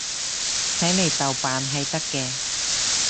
睇嚟豆瓣係得嘅